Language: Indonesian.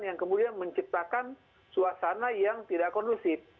yang kemudian menciptakan suasana yang tidak kondusif